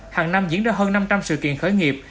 hàng năm diễn ra hơn năm trăm linh sự kiện khởi nghiệp